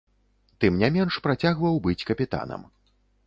Тым не менш, працягваў быць капітанам.